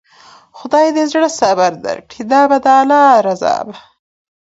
خداى د زړه صبر درکړي، دا به د الله رضا وه.